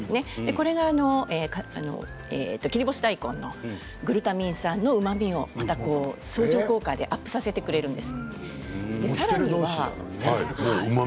これは切り干し大根のグルタミン酸のうまみを相乗効果でアップさせてくれるんです。